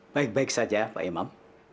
baik baik saja pak imam